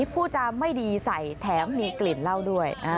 ผู้จำไม่ดีใส่แถมมีกลิ่นเหล้าด้วย